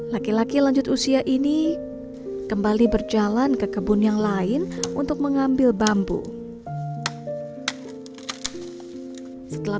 laki laki lanjut usia ini kembali berjalan ke kebun yang lain untuk mengambil bambu setelah